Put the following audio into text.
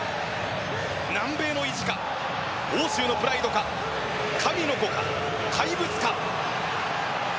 南米の意地か、欧州のプライドか神の子か、怪物か。